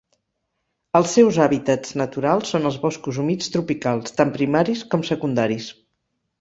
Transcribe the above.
Els seus hàbitats naturals són els boscos humits tropicals, tant primaris com secundaris.